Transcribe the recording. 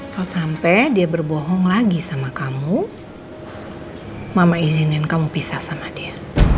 kalau sampai dia berbohong lagi sama kamu mama izinin kamu pisah sama dia